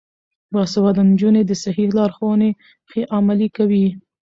باسواده نجونې صحي لارښوونې ښې عملي کوي.